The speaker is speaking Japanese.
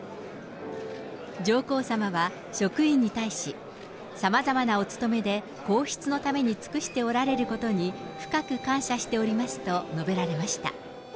上皇さまは職員に対し、さまざまなお務めで皇室のために尽くしておられることに、深く感謝しておりますと述べられました。